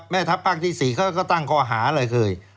แม่ทัพภาคที่๔เขาก็ตั้งข้อหาอะไรเคย